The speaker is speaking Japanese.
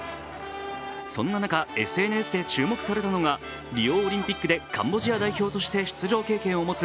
そんな中、ＳＮＳで注目されたのはリオオリンピックでカンボジア代表として出場経験を持つ